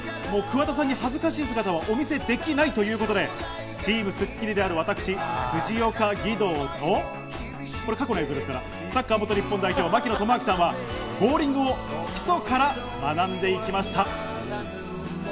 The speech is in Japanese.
桑田さんに恥ずかしい姿をお見せできないということで、チームスッキリである私、辻岡義堂と、これ過去の映像ですから、サッカー元日本代表・槙野さんが、ボウリングを基礎から学んできました。